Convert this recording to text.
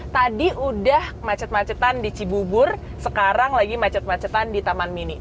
tadi udah macet macetan di cibubur sekarang lagi macet macetan di taman mini